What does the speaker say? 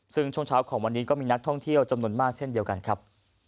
ซึ่งช่วงเช้าของวันนี้ก็มีนักท่องเที่ยวจำนวนมากเช่นเดียวกันครับ